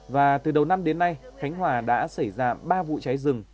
và từ đầu năm đến nay khánh hòa đã xảy ra ba vụ cháy rừng